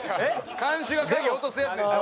看守が鍵落とすやつでしょ？